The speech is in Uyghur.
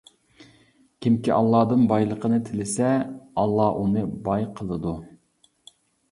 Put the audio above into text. كىمكى ئاللادىن بايلىقنى تىلىسە، ئاللا ئۇنى باي قىلىدۇ.